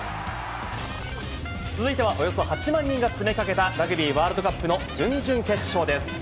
続いてはおよそ８万人が詰めかけたラグビーワールドカップの準々決勝です。